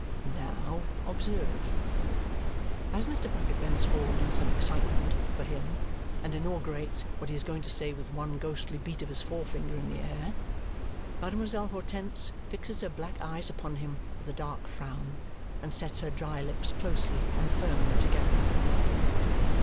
Now, observe!" As Mr. Bucket bends forward in some excitement for him and inaugurates what he is going to say with one ghostly beat of his forefinger in the air, Mademoiselle Hortense fixes her black eyes upon him with a dark frown and sets her dry lips closely and firmly together.